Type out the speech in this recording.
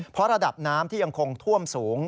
เพราะระดับน้ำที่ยังคงท่วมสูง